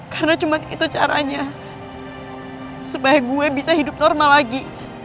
karena cuma itu caranya supaya gue bisa hidup normal lagi